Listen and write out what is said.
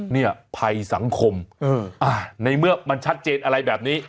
เนี่ยภัยสังคมในเมื่อมันชัดเจนอะไรแบบนี้